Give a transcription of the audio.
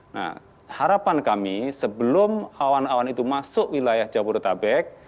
nah harapan kami sebelum awan awan itu masuk wilayah jabodetabek